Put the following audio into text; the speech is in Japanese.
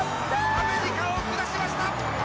アメリカを下しました。